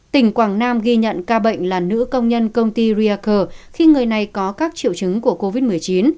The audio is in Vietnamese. tỉnh quảng nam ghi nhận ca bệnh là nữ công nhân công ty riacle khi người này có các triệu chứng của covid một mươi chín